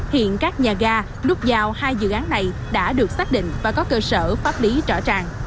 hiện các nhà ga nút giao hai dự án này đã được xác định và có cơ sở pháp lý rõ ràng